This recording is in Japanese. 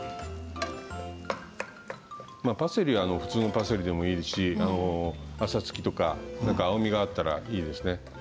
普通のパセリでもいいしあさつきとか、青みがあったらいいですね。